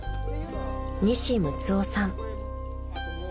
［西六男さん］